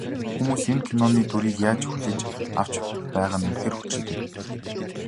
Хүмүүс энэ киноны дүрийг яаж хүлээж авч байгаа нь үнэхээр хөгжилтэй.